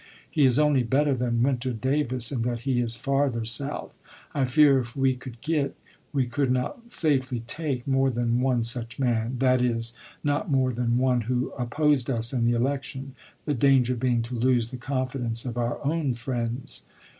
He is only better than Winter Davis in that he is farther South. I fear if we could get, we could not safely take, more than one such man — that is, not more than one who opposed us in the election, the danger being to lose the confidence of our own friends.